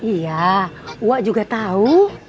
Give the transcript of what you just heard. iya wak juga tahu